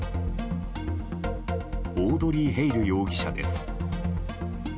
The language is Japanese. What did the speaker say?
オードリー・ヘイル容疑者です。